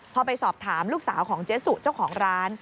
พอไปสอบถามลูกสาวของเจ๊สุเจ้าของร้าน